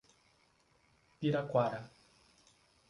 Piraquara